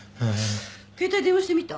携帯電話してみた？